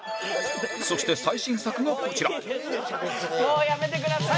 そして最新作がこちら